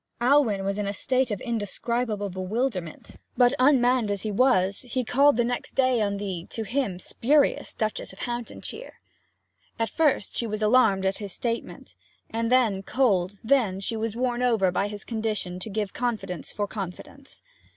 Alwyn was in a state of indescribable bewilderment. But, unmanned as he was, he called the next day on the, to him, spurious Duchess of Hamptonshire. At first she was alarmed at his statement, then cold, then she was won over by his condition to give confidence for confidence.